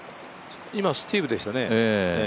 今スティーブでしたね。